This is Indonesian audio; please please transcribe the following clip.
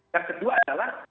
dan kedua adalah